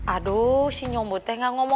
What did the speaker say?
aduh si nyomu tuh gak ngomong sama ibu ada